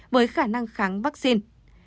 với khả năng kháng bệnh